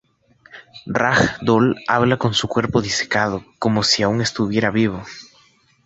Rag Doll habla con su cuerpo disecado como si aún estuviera vivo.